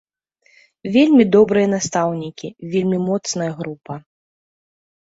Вельмі добрыя настаўнікі, вельмі моцная група.